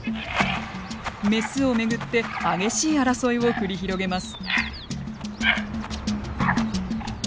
メスを巡って激しい争いを繰り広げます。